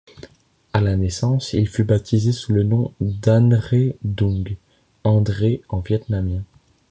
À la naissance, il fut baptisé sous le nom d'Anrê Dũng, André en vietnamien.